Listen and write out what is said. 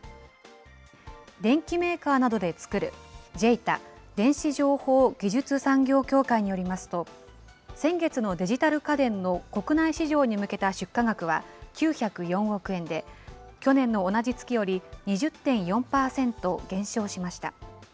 電機メーカーなどで作るＪＥＩＴＡ・電子情報技術産業協会によりますと、先月のデジタル家電の国内市場に向けた出荷額は９０４億円で、去年の同じ月より２０．４％減少しました。